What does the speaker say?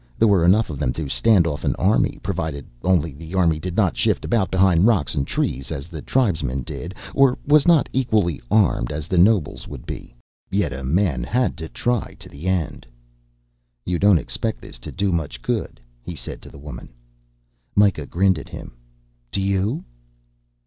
There were enough of them to stand off an army, provided only the army did not shift about behind rocks and trees as the tribesmen did, or was not equally armed, as the nobles would be. Yet, a man had to try to the end. "You don't expect this to do much good," he said to the woman. Myka grinned at him. "Do you?"